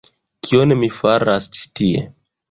Kion mi faras ĉi tie?